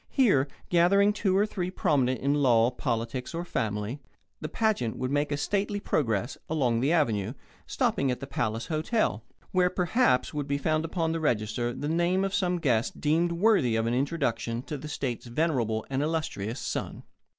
Here, gathering two or three prominent in law, politics, or family, the pageant would make a stately progress along the Avenue, stopping at the Palace Hotel, where, perhaps, would be found upon the register the name of some guest deemed worthy of an introduction to the state's venerable and illustrious son.